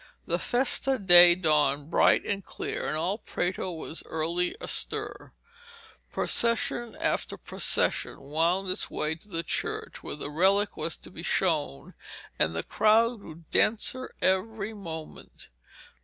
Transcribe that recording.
The festa day dawned bright and clear, and all Prato was early astir. Procession after procession wound its way to the church where the relic was to be shown, and the crowd grew denser every moment.